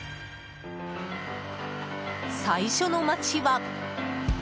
最初の街は。